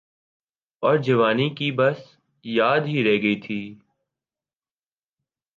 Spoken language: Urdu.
اورجوانی کی بس یاد ہی رہ گئی تھی۔